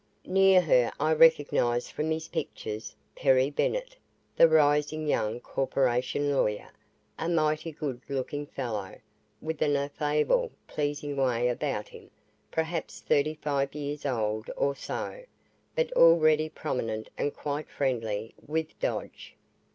Near her I recognized from his pictures, Perry Bennett, the rising young corporation lawyer, a mighty good looking fellow, with an affable, pleasing way about him, perhaps thirty five years old or so, but already prominent and quite friendly with Dodge.